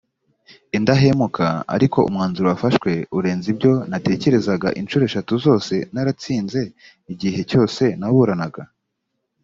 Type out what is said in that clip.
indahemuka ariko umwanzuro wafashwe urenze ibyo natekerezaga incuro eshatu zose naratsinze igihe cyose naburanaga